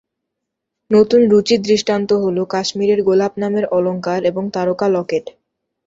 নতুন রুচির দৃষ্টান্ত হলো কাশ্মীরের গোলাপ নামের অলঙ্কার এবং তারকা লকেট।